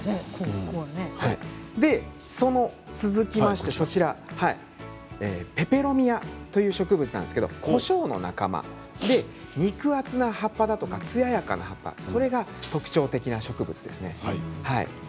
続きましてペペロミアという植物なんですけれどもこしょうの仲間肉厚な葉っぱだとかつややかな葉っぱそれが特徴的な植物ですね。